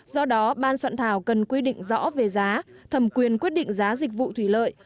do đó ban soạn thảo cần quy định rõ về giá thẩm quyền quyết định giá dịch vụ thủy lợi